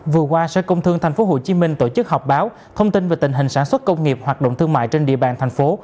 vừa qua sở công thương tp hcm tổ chức họp báo thông tin về tình hình sản xuất công nghiệp hoạt động thương mại trên địa bàn thành phố